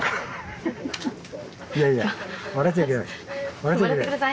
いやいや、笑っちゃいけない。